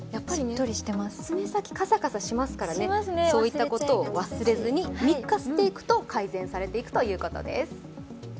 爪先、カサカサしますからね、そういったことを忘れずに３日していくと改善されるということです。